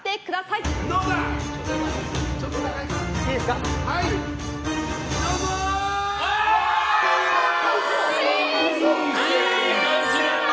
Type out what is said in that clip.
いい感じだった。